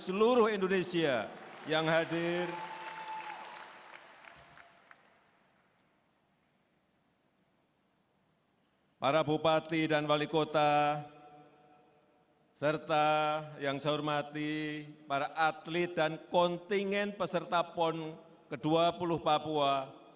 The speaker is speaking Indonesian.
ketua komite olahraga nasional indonesia beserta ketua panitia besar pond ke dua puluh papua